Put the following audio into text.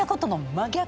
真逆。